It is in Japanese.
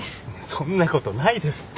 そんなことないですって。